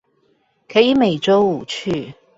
可以每週五去